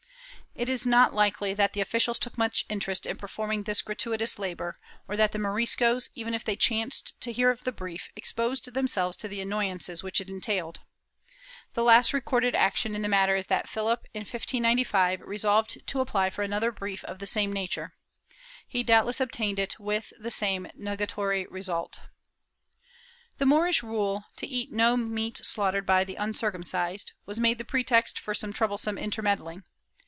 It is not likely that the officials took much interest in performing this gratuitous labor, or that the Moriscos, even if they chanced to hear of the brief, exposed themselves to the annoyances which it entailed. The last recorded action in the matter is that Philip, in 1595, resolved to apply for another brief of the same nature. He doubtless obtained it with the same nugatory result.* The Moorish rule, to eat no meat slaughtered by the uncircum cised, was made the pretext for some troublesome intermeddling.